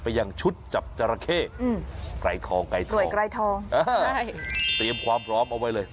ไปยังชุดจับจราเข้ไกรทองไกรทองเตรียมความพร้อมเอาไว้เลย